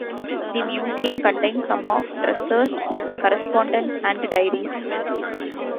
The museum contains some of Dresser's correspondence and diaries.